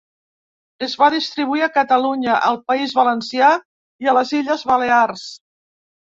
Es va distribuir a Catalunya, al País Valencià i a les Illes Balears.